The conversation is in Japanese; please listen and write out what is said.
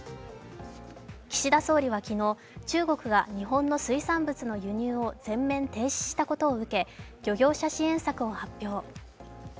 岸田総理は昨日、中国が日本の水産物の輸入を全面停止したことを受け漁業者支援策を発表。